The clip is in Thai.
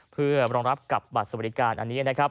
เพื่อรองรับกับบัตรสวัสดิการอันนี้นะครับ